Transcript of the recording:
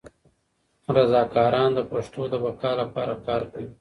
رضاکاران د پښتو د بقا لپاره کار کوي.